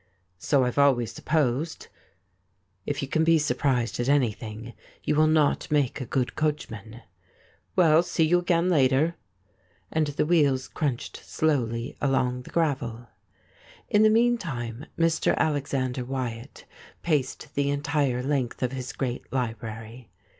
'So I've always supposed.' If you can be surprised ^^at anything you will not make a good coachman. ' Well — see you again later.' And 26 THIS IS ALL the wheels crunched slowly along the gravel. In the meanthne Mr. Alexander Wyatt paced the entire length of his great library.